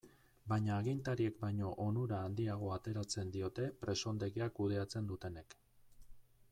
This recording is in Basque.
Baina agintariek baino onura handiagoa ateratzen diote presondegia kudeatzen dutenek.